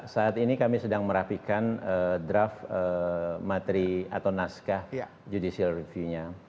saat ini kami sedang merapikan draft materi atau naskah judicial review nya